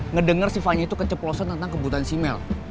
ngedenger si vanya itu keceplosan tentang kebutaan si mel